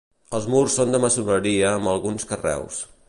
Els murs són de maçoneria amb alguns carreus.